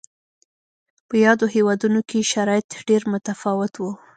په یادو هېوادونو کې شرایط ډېر متفاوت و.